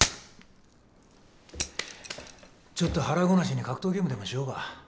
ちょっと腹ごなしに格闘ゲームでもしようか。